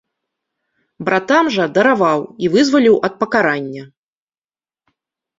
Братам жа дараваў і вызваліў ад пакарання.